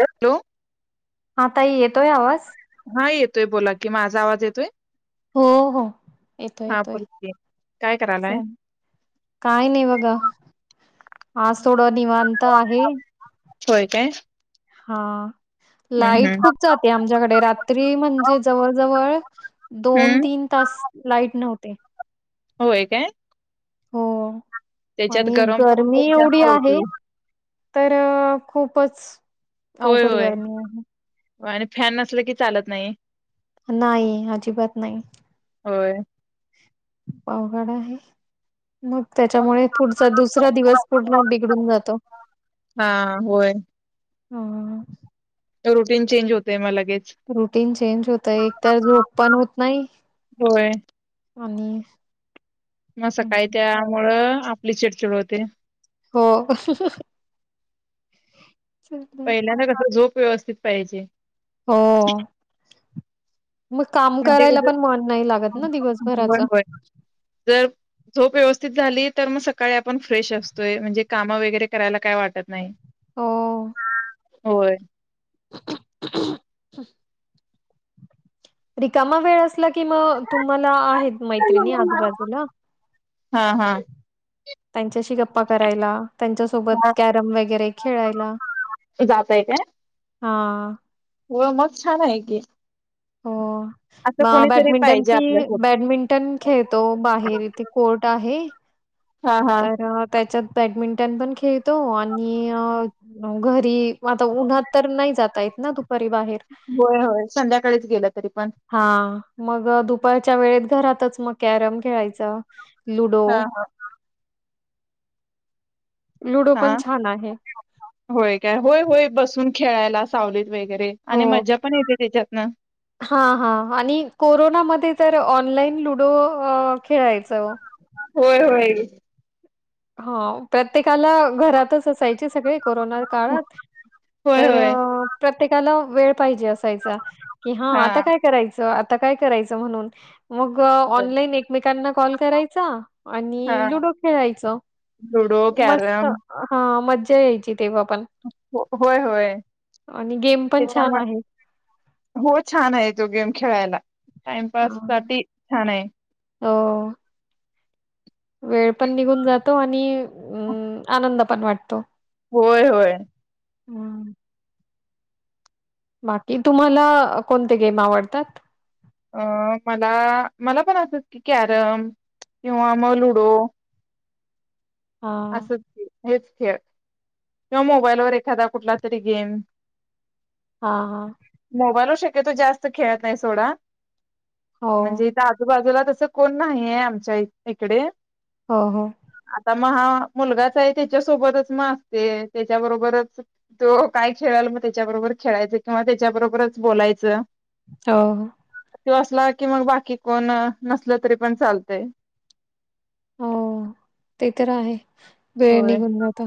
Hello हा ताई येतोय आवाज? हा येत तय बोला की माझा आवाज येतोय हो हो येतोय हा येतोय बोला की काय करायलाय काय नाही बघा आज थोडा निवांत आहे होय काय हा हम्म लाईट हम्म खूप जाते आमच्याकडे रात्री म्हणजे जवळ जवळ दोन हम्म तीन तास लाईट नव्हते होय काय हो त्याच्यात आणि गरम पण गर्मी खूप जास्त एवढी आहे होतोय तर खूपच होय अवघड होय गरमी आहे आणि फॅन नसल की चालत नाही नाही अजिबात नाही होय पावघड आहे मग त्याच्यामुळे पुढचा दुसरा दिवस पूर्ण बिघडून जातो हा होय हम रुटीन चेंज होतय मला रुटीन चेंज होत एक तर झोप पण होत नाही होय आणिनी मग सकाळी त्यामुळं आपली चिडचिड होते हो चला. पहिल्यांद कस झोप व्यवस्थित पाहिजे हो मग काम म्हणजे करायला कसं पण मन नाही लागत ना होय दिवसभराच होय जर झोप व्यवस्थ व्यस्थित झाली तर मग सकाळी आपण फ्रेश असतोय म्हणजे कामं वगैरे करायला काय वाटत नाही हो होय रिकामा वेळ असला कि मग तुम्हाला आहेत मैत्रिणी आजूबाजूला हा हा त्यांच्याशी गप्पा करायला हा. त्यांच्यासोबत कॅरम वगैरे खेळायला जातय काय हा हो मग छान आहे की हो असं म कोणीतरी बॅडमिंटन पाहिजे पी आपल्यासोबत बॅडमिंटन खेळतो बाहेर इथे कोर्ट आहे हा हा. तर त्याच्यात बॅडमिंटन पण खेळतो आणि घरी आता उन्हात तर नाही जाता येत ना तू होय होय संध्याकाळीच गेलं तरी पण हा मग दुपारच्या वेळेत घरातच मग कॅरम खेळायचं लूडो हा हा हा छान आहे. होय काय होय होय बसून खेळायला सावले वगैरे आणि मजा पण येते त्याच्यातन हा हा आणि कोरोनामध्ये तर ऑनलाईन लुडो खेळायचं होय होय हो प्रत्येकाला घरातच असायचे सगळे कोरोना काळात होय तर होय प्रत्येकाला वेळ पाहिजे असाय की हा आता काय करायचं आता काय करायचं म्हणून मग ऑनलाईन एकमेकांना कॉल करायचा हा आणि लुडो खेळायचं लुडो मस्त कॅरम हा मज्जा यायची तेव्हा पण. होय होय आणि गेम पण छान त्यांच्यामुळे आहे. हो छान आहे तो गेम खेळायला टाइमपास अं, साठी छान आहे हो वेळ पण निघून जातो आणि अम आनंद पण वाटतो होय होय हम् बाकी तुम्हाला कोणते गेम आवडतात अं मला मला पण असच की कॅरम किंवा मग लुडो हां, असं हेच खेळ किंवा मोबाईलवर एखादा कुठला तरी गेम हा हा मोबाईलवर जास्त खेळत नाही सोडा हो, म्हणजे इथं आजूबाजूला तसं कोण नाही आमच्या इकडे हो हो आता मग हा मुलगाच आहे त्याच्यासोबतच मग असते त्याच्याबरोबरच तो काय खेळाल मग त्याच्याबरोबर वर खेळायचं किंवा त्याच्याबरोबरच बोलायचं हो तो असला की मग बाकी कोण नसल तरी पण चालतंय हो ते तर आहे वेळ निघून जात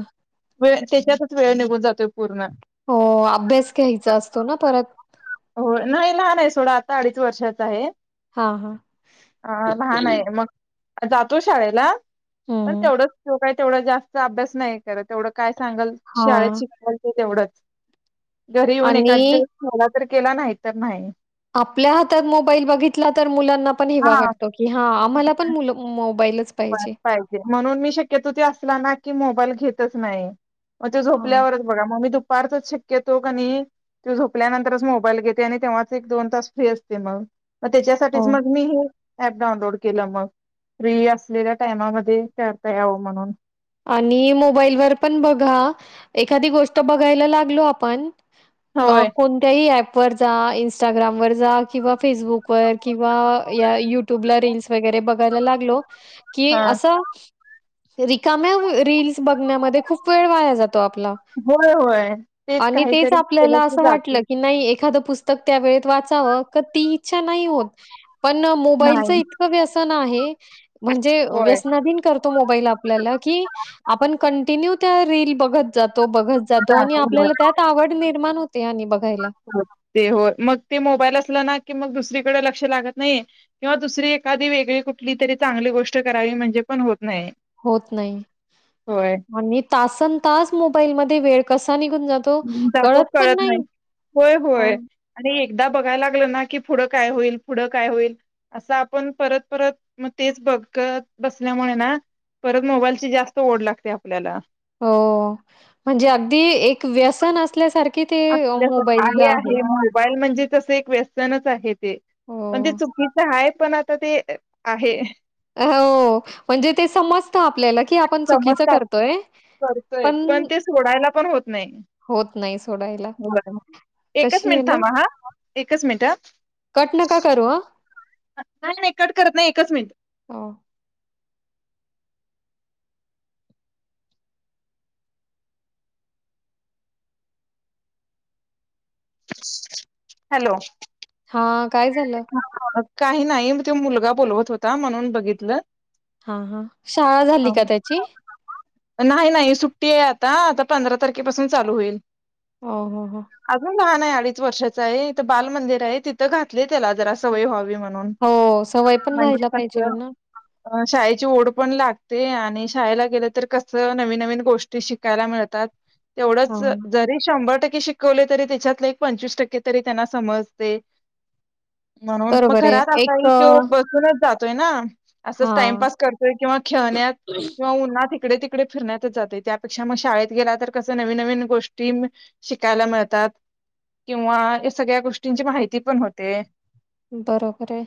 वेळ त्याच्यातच वेळ निघून जातोय पूर्ण हो अभ्यास घ्यायचा असतो ना परत. हो नाही लहान आहे सोडा आता अडीच वर्षाचा आहे. हां, हां. अ लहान आहे मग. जातो शाळेला पण हं. तेवढंच तो काही तेवढा जास्त अभ्यास नाही करत तेवढं काय सांगाल शाळेत हां. शिकाल ते तेवढंच. घरी येऊन एखाद आणि दिवस केला तर केला नाही तर नाही. आपल्या हातात मोबाईल बघितला तर मुलं मुलांना पण हेवा हा. वाटतो की आम्हाला पण मुल मोबाईल पाहिजे म्हणून मी शक्यतो त्यो असला ना की मोबाईल घेतच नाही. मग ते हां, झोपल्यावरच बघा मग मी दुपारचच शक्यतो कणि झोपल्यानंतरच मोबाईल घेते आणि तेव्हाच एक दोन तास फ्री असते मग. मग हो. त्याच्यासाठीच मग मी हे ऍप डाउनलोड केलं मग फ्री अस असलेल्या टाईममध्ये करता यावं म्हणून. आणि मोबाईलवर पण बघा एखादी गोष्ट बघायला लागलो आपण अ होय. कोणत्याही ऍप वर जा इन्स्टाग्राम वर जा किंवा फेसबुक वर किंवा या युट्यूबला रीलस वगैरे बघायला लागलो. कि हा. अस रिकाम्या रील्स बघण्यामध्ये खूप वेळ वाया जातो. आपला होय होय आणि तेच काहीतरी केलं आपल्याला की असं जाते वाटलं की नाई एकदा पुस्तक त्या वेळेत वाचाव ती इच्छा नाही होत पण मोबाईलच नाही इतकं व्यसन आहे. हे म्हणजे होय. व्यसनाधीत करतो मोबाईल आपल्याला की आपण कंटिन्यू त्या रील बघत जात तो बघत जातो आणि जाते होय आपल्याला त्यात आवड निर्माण होते. आणि बघायला ते हो मग ते मोबाईल असल ना की मग दुसरी कडं लक्ष लागत नाही किंवा दुसरी एखादी वेगळी कुठली तरी चांगली गोष्ट करावी म्हणजे पण होत नाही होत नाही होय. आणि तासन तास मोबाईल मध्ये वेळ कसा नि जातो कळत नाही होय होय हां. आणि एकदा बघायला लागलं ना की, पुढ काय होईल पुढ काय होईल असं आपण परत परत म तेच बघत बसल्यामुळे ना परत मोबाईलची जास्त ओढ लागते आपल्याला. हो म्हणजे अगदी एक व्यसन असल्यासार आहे आहे मोबाईल म्हण जेच तस एक वेसनच आहे ते पण जे हो. चुकीचं आहे पण आता ते आहे. हो म्हणजे ते समजत आपल्याला की आपण चुकीच समजतात करतोय. करतोय पण ते सोडायला पण होत नाही. होत नाही सोडायला. होय. एकच कशी आहे मिनिट ना, थांबा हा एकच मिनिट. कट नका करू अ. नाही नाही कट करत नाही एकच मिनिट. हो. हॅलो. हा काय झालं. काही नाही म तो मुलगा बोलवत होता म्हणून बघितलं. हा हा शाळा झाली का त्याची. नाही नाही सुट्टीये आता, आता पंधरा तारखेपासून चालू होईल. हो हो हो. अजून लहान आहे अडीच वर्षाचाये इथं बाल मंदिरे तिथं घातले त्याला जरा सवय व्हावी म्हणू णुन हो, सवय पण म्हन्जे व्हायला पाहिजे कसं म्हणा. अ शाळेची ओढ पण लागते म. ते आणि शाळेला गेलं तर कस नवीन नवीन गोष्टी शिकायला मिळतात. तेवढंच हां, जरी शंभर टक्के की शिकवलं तरी त्याच्यातल पंचवीस टक्के तरी त्यांना समजते. म्हणून मग बरोबर आहे. घरात एक असाई तो अ, बसूनच जातोय ना.? असंच हां, टाइमपास करतोय किंवा खेळण्यात किंवा उन्हाात तिकडे-तिकडे फिरण्यातच जातोय. त्यापेक्षा मग शाळेत गेला तर कस नवीन-नवीन गोष्टी शिकायला मिळतात. त्यात किंवा ई सगळ्या गोष्टींची माहिती पण होते. बरोबर आहे.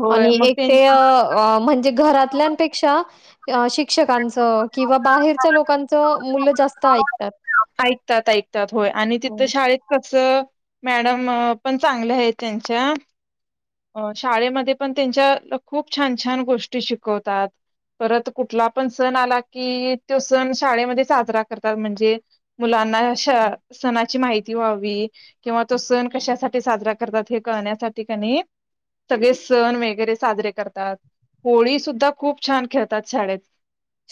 होय आणि मग एक ते अ म्हणजे घरात. थल्यानपेक्षा अ शिक्षकांच किंवा बाहेरच्या लोकांच मुलं ज्या जास्त ऐकतात. ऐकतात-ऐकतात होय आणि हो. तिथं शाळेत क कसं मॅडम पण चांगले आहेत त्यांच्या. अ शाळेमध्ये पण त्यांच्या खूप छान-छान गोष्टी शिकवतात. परत कुठला पण सण आला की तो सण शाळेमध्ये साजरा करतात म्हणजे मुला अ ना सणाची माहिती व्हावी किंवा तो सण कशासाठी साजरा करतात हे कळण्या त्या ठिकाणी. सगळे सण वगैरे साजरे करतात. होळी सुद्धा खूप छान खेळतात. शाळेत.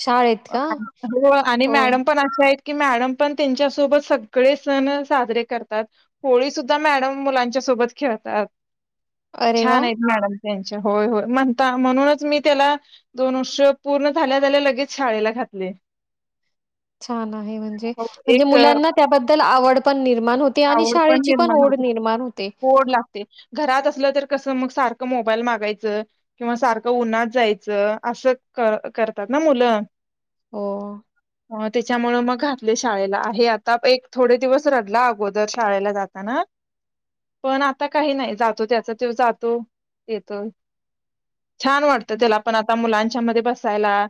शाळेत का? हो आणि हो. मॅडम पण अशा आहेत की मॅडम पण त्यांच्यासोबत सगळे सण साजरे करतात. होळी सुद्धा मॅडम मुलांच्या सोबत सोबत खेळतात. अरे वाह! छान आहेत मॅडम. त्यांच्या होय-होय म्हणता म्हणूनच. मी त्याला दोन वर्ष पूर्ण झाल्या झाल्या लगेच शाळेला घा तले. छान आहे म्हणजे. म्हणजे एक अ, मुलांना त्याबद्दल आवड पण निर्माण होते आणि आवड पण शाळेची निर्माण ओढ होते. निर्माण होते. ओड लागते. घरात असलं तर कस तर मग सारखं मोबाईल मागायच. किवा सारखं उन्हात जायचं. अस करतात ना. मुल मूल हो. हा तेच. त्यामुळे मग घातलं शाळेला. आहे आता एक थोडे दिवस रडला अगोदर. दर शाळेला जाताना. पण आता काही नाही जातो त्याच तोच जातोय-येतोय. छान वाटतं त्याला पण आता मुलांच्या मध्ये बसायला.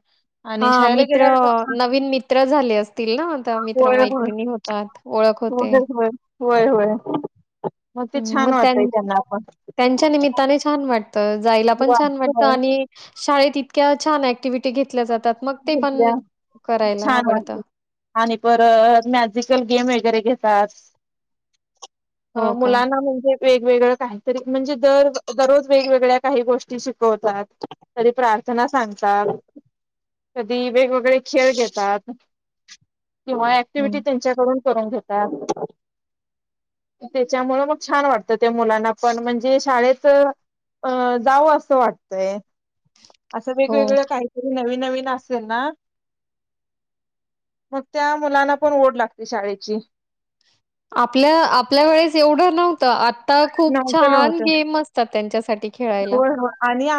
आणि हा शाळेला मित्र गेल्यावर कसं नवीन मित्र झाले असतील ना. आता मित्र मैत्रिणी होतात ओळख. हो. होते. हो. हो होय-होय. हम्म मग त्यां त्यांच्या निमित्ताने छान वाटत. जायला पण छान वाटत. आणि शाळेत इतक्या छान ऍक्टिव्हीटी घेतल्या जात मग ते पण. छान आवडतं. असते आणि पर मॅजिकल गेम वगैरे घेत तात हो का? मुलांना म्हणजे वेगवेगळं काहीतरी म्हणजे दर दररोज वेगवेगळ्या काही गोष्टी शिकवतात. कधी प्रार र्थना सांगतात. कधी वेगवेगळे खेळ घेतात किंवा हं. ऍक्टिव्हटी त्यांच्याकडून करून घेेतात. त्याच्यामुळे मग छान वाटतं त्या मुलांना पण म्हणजे शाळेत अ जाव असं वाटतय. असं हो. वेगवेगळं काहीतरी नवीन नवीन असेल ना मग त्या मुलांना पण ओढ लागते शाळेची. आपल्या आपल्या वेळेस एवढं नव्हतं आ आता खूप नव्हतं छान नव्हतं गेम असतात त्यांच्यासाठी खेळायला.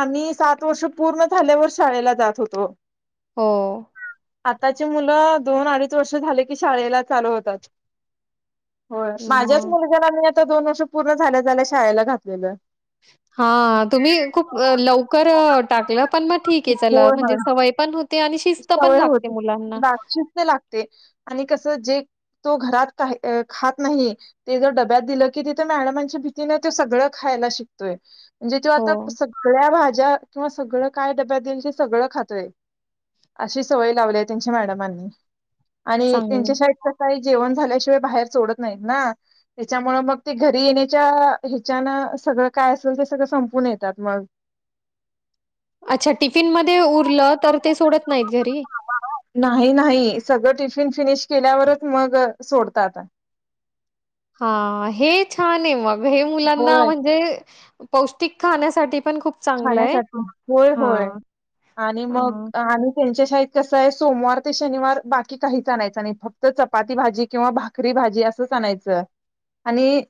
मी सात वर्ष पूर्ण झाल्यावर शाळेला जात होतो. हो. आताची मुलं दोन-अडीच वर्ष झाले की शाळेला चालू होतात. हो माझ्याच मग मुलग्याला मी आता दोन वर्ष पूर्ण झाल्या झाल्या शाळेला घातलेलं. हा तुम्ही खूप लवकर टाकलत. पण मग ठीक आहे चला होय होय म्हणजे सवय पण होते. आणि शिस्त पण सवय लागते होते मुलांना. लागती तर लागते आणि कस जे तो घरात खा. खात नाही ते जर डब्यात दिलं की तिथ मॅडमच्या भीतीने सगळं खा. यला शिकतोय. म्हणजे तो हो, आता सगळ्या भाज्या किंवा सगळं काय डब्यात देईल ते सगळं खातोय. अशी सवय लावली आहे त्यांच्या मॅडमांनी आणि चांगलं. त्यांच्या शाळेत कस आहे. जेवण झाल्याशिवाय बाहेर सोडत नाहीत ना त्याच्यामुळे मग ते घरी येण्याच्या हेच्यानं सगळं काय असेल ते सगळं संपून येतात मग अच्छा टिफिन मध्ये उरलं तर ते सोडत नाहीत घरी नाही नाही सगळं टिफिन फिनिश केल्यावरच मग सोडतात. हा हे छान आहे मग घरी मुलांना होय म्हणजे पौष्टिक खाण्यासाठी पण खूप चांगलं आहे. खाण्यासाठी होय होय हां, आणि मग हां. आणि त्यांच्या कस आहे सोमवार ते शनिवार बाकी काहीच आणायच नाही फक्त चपाती भाजी किंवा भाकरी भाजी असलच आणायचं आणि